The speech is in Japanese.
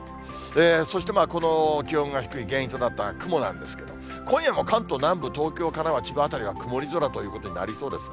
そしてこの気温が低い原因となった雲なんですけど、今夜も関東南部、東京、神奈川、千葉辺りは曇り空ということになりそうですね。